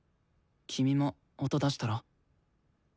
君も音出したら？